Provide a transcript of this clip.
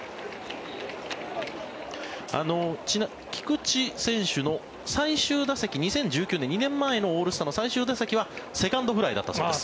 菊池選手の２０１９年２年前のオールスターの最終打席はセカンドフライだったそうです。